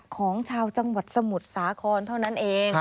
ของชาวจังหวัดสมุทรสาครเท่านั้นเอง